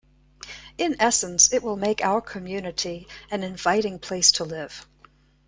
In essence, it will make our community an inviting place to live.